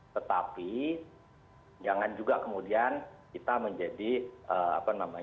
tetapi jangan juga kemudian kita menjadi khawatir terlalu berlebihan